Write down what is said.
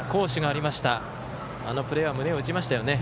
あのプレーは胸を打ちましたよね。